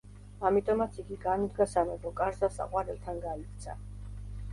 ამიტომაც იგი განუდგა სამეფო კარს და საყვარელთან გაიქცა.